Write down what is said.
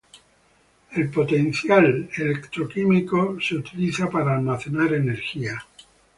El potencial electroquímico es utilizado para almacenar energía.